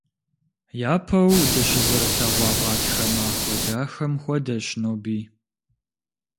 Япэу дыщызэрылъэгъуа гъатхэ махуэ дахэм хуэдэщ ноби.